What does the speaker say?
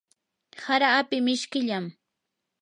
hara api mishkillam.